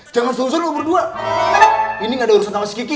jangan susur berdua